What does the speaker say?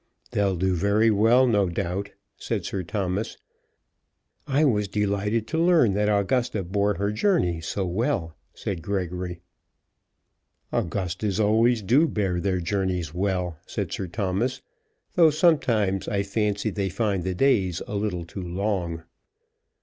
"They'll do very well, no doubt," said Sir Thomas. "I was delighted to learn that Augusta bore her journey so well," said Gregory. "Augustas always do bear their journeys well," said Sir Thomas; "though sometimes, I fancy, they find the days a little too long."